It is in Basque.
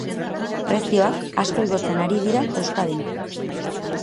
Prezioak asko igotzen ari dira Euskadin.